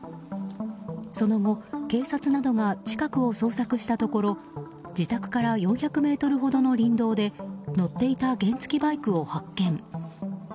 その後、警察などが近くを捜索したところ自宅から４００ｍほどの林道で乗っていた原付きバイクを発見。